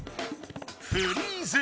フリーズ。